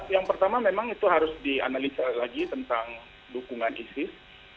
yang pertama memang itu harus dianalisa lagi tentang dukungan isis